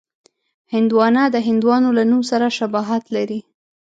هندوانه د هندوانو له نوم سره شباهت لري.